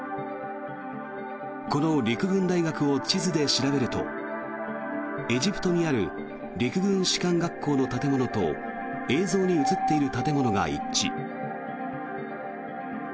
この陸軍大学を地図で調べるとエジプトにある陸軍士官学校の建物と映像に映っている建物が一致。